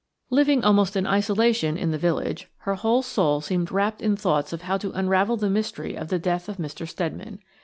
Living almost in isolation m the village, her whole soul seemed wrapped in thoughts of how to unravel the mystery of the death of Mr. Steadman.